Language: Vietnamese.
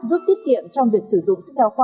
giúp tiết kiệm trong việc sử dụng sách giáo khoa